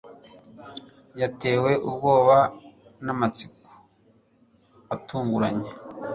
Yatewe ubwoba namatsiko atunguranye